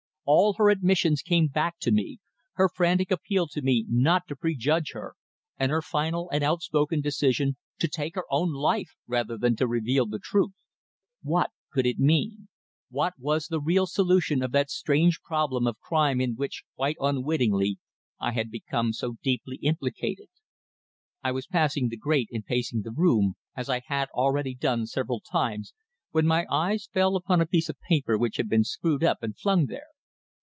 All her admissions came back to me her frantic appeal to me not to prejudge her, and her final and out spoken decision to take her own life rather than reveal the truth. What could it mean? What was the real solution of that strange problem of crime in which, quite unwittingly, I had become so deeply implicated? I was passing the grate in pacing the room, as I had already done several times, when my eyes fell upon a piece of paper which had been screwed up and flung there.